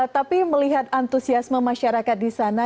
tapi melihat antusiasme masyarakat di sana